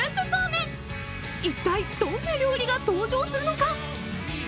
［いったいどんな料理が登場するのか］